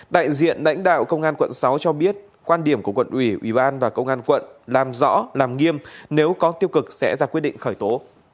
đại diện lãnh đạo công an quận sáu cho biết quan điểm của quận ủy ủy ban và công an quận làm rõ làm nghiêm nếu có tiêu cực sẽ ra quyết định khởi tố